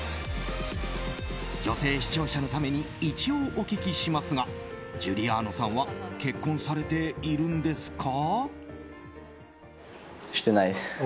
女性視聴者のために一応お聞きしますがジュリアーノさんは結婚されているんですか？